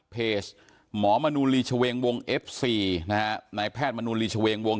เพจหมอมนุลีเฉวงวงเอฟสี่นะฮะในแพทย์มนุลีเฉวงวง